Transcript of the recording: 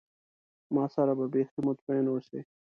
ما سره به بیخي مطمئن اوسی.